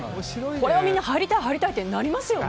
これはみんな入りたい入りたいとなりますよね。